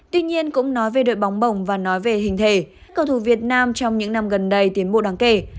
tuy nhiên cũng nói về đội bóng bổng và nói về hình thể cầu thủ việt nam trong những năm gần đây tiến bộ đáng kể